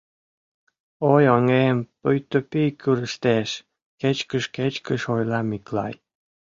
Ой, оҥем пуйто пий кӱрыштеш! — кечкыж-кечкыж ойла Миклай.